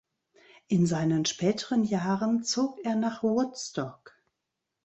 In seinen späteren Jahren zog er nach Woodstock.